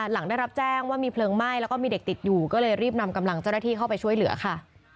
หลังได้รับแจ้งว่ามีเพลิงไหม้แล้วก็มีเด็กติดอยู่ก็เลยรีบนำกำลังเจ้าหน้าที่เข้าไปช่วยเหลือค่ะ